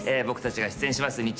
僕達が出演します